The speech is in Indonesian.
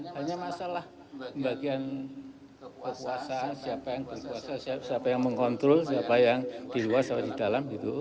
hanya masalah bagian kekuasaan siapa yang mengkontrol siapa yang di luar siapa yang di dalam